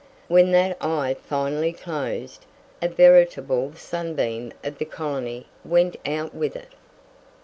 When that eye finally closed, a veritable sunbeam of the colony went out with it.